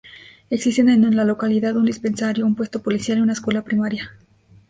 Existen en la localidad un dispensario, un puesto policial y una escuela primaria.